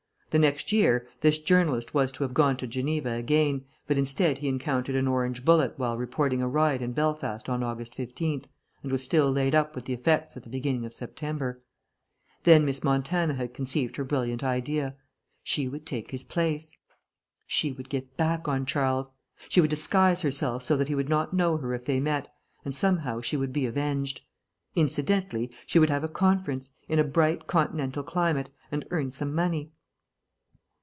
The next year this journalist was to have gone to Geneva again, but instead he encountered an Orange bullet while reporting a riot in Belfast on August 15th, and was still laid up with the effects at the beginning of September. Then Miss Montana had conceived her brilliant idea. She would take his place. She would get back on Charles. She would disguise herself so that he would not know her if they met, and somehow she would be avenged. Incidentally, she would have a conference, in a bright continental climate, and earn some money.